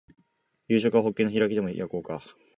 夕食はホッケの開きでも焼こうか